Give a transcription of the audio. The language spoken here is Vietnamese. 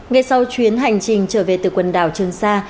ngay sau chuyến hành trình trở về từ quần đảo trường sa